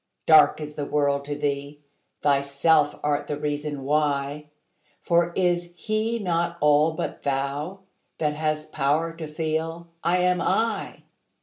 Dark is the world to thee: thyself art the reason why; For is He not all but thou, that hast power to feel 'I am I'?